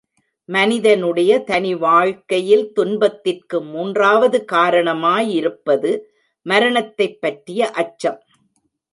மனிதனுடைய தனி வாழ்க்கையில் துன்பத்திற்கு மூன்றாவது காரணமா யிருப்பது மரணத்தைப் பற்றிய அச்சம்.